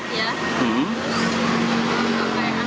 kayak yang lainnya